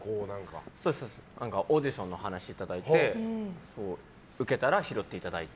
オーディションの話をいただいて受けたら拾っていただいた。